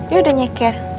ya udah nyeker